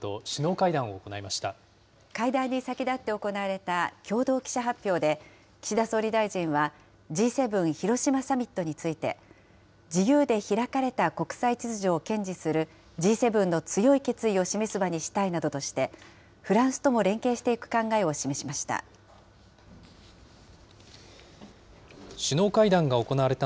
会談に先立って行われた共同記者発表で、岸田総理大臣は、Ｇ７広島サミットについて、自由で開かれた国際秩序を堅持するＧ７の強い決意を示す場にしたいなどとして、フランスとも連携していく考えを示しました。